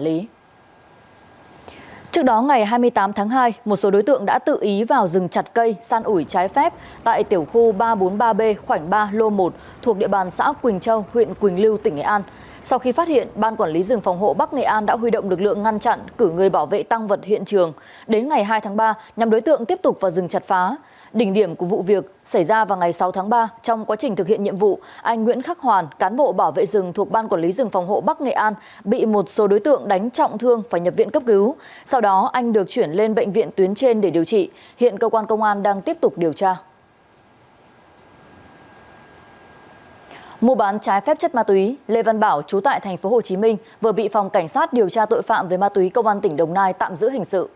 lê văn bảo chú tại tp hcm vừa bị phòng cảnh sát điều tra tội phạm về ma túy công an tỉnh đồng nai tạm giữ hình sự